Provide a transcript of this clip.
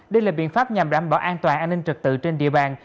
đây là biện pháp nhằm đảm bảo an toàn an ninh trật tự trên địa bàn